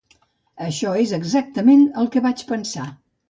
Això és exactament el que vaig pensar.